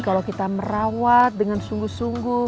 kalau kita merawat dengan sungguh sungguh